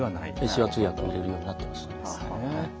手話通訳入れるようになってますね。